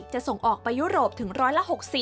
จะส่งออกไปยุโรปถึงร้อยละ๖๐